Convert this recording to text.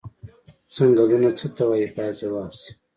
څنګلونه څه ته وایي باید ځواب شي.